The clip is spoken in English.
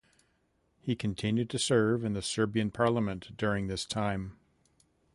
He continued to serve in the Serbian parliament during this time.